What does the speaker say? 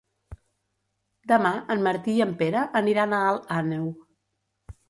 Demà en Martí i en Pere aniran a Alt Àneu.